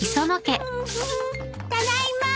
ただいま！